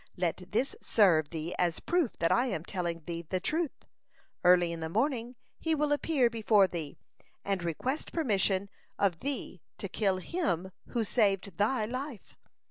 Let this serve thee as proof that I am telling thee the truth: Early in the morning he will appear before thee and request permission of thee to kill him who saved thy life.